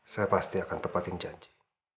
saya pasti akan tepatin janji